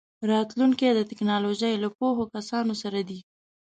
راتلونکی د ټیکنالوژۍ له پوهو کسانو سره دی.